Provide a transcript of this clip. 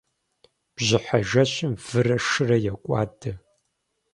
Бжьыхьэ жэщым вырэ шырэ йокӀуадэ.